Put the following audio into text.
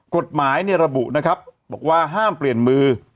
กฎหมายระบุนะครับบอกว่าห้ามเปลี่ยนมือ